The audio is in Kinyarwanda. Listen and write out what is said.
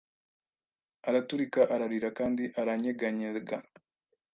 araturika, ararira kandi aranyeganyega.